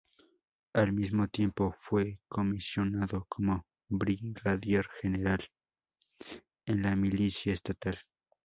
Al mismo tiempo fue comisionado como brigadier general en la milicia estatal.